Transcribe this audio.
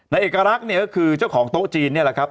เอกลักษณ์เนี่ยก็คือเจ้าของโต๊ะจีนนี่แหละครับ